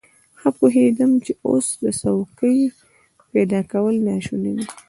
ښه پوهېدم چې اوس د څوکۍ پيدا کول ناشوني دي.